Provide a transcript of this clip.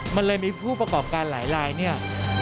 มันเลยมีผู้ประกอบการหลาย